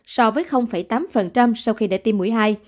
so với tám sau khi đã tiêm mũi hai